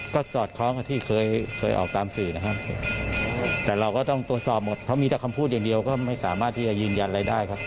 ก็สอดคล้องกับที่เคยเคยออกตามสื่อนะครับแต่เราก็ต้องตรวจสอบหมดเพราะมีแต่คำพูดอย่างเดียวก็ไม่สามารถที่จะยืนยันอะไรได้ครับ